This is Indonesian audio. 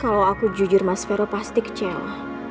kalau aku jujur mas vero pasti kecewa